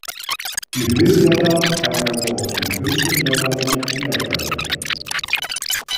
Die Hüllblätter, teilweise auch die Hüllchenblätter sind fiederspaltig.